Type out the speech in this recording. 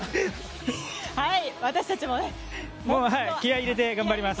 私たちも気合を入れて頑張ります！